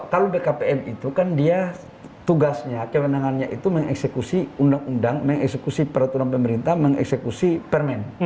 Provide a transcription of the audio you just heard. kalau bkpn itu kan dia tugasnya kewenangannya itu mengeksekusi undang undang mengeksekusi peraturan pemerintah mengeksekusi permen